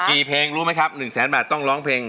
เพลงรู้ไหมครับ๑แสนบาทต้องร้องเพลง